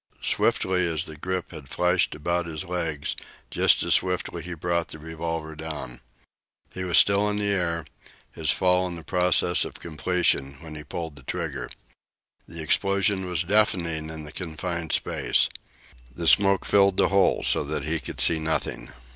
Swiftly as the grip had flashed about his legs, just as swiftly he brought the revolver down. He was still in the air, his fall in process of completion, when he pulled the trigger. The explosion was deafening in the confined space. The smoke filled the hole so that he could see nothing.